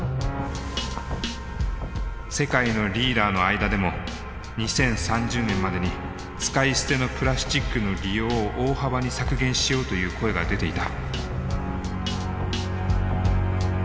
世界のリーダーの間でも２０３０年までに使い捨てのプラスチックの利用を大幅に削減しようという声が出ていた。